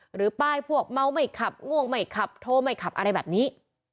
หรือป้ายพวกเมาไม่ขับง่วงไม่ขับโทรไม่ขับอะไรแบบนี้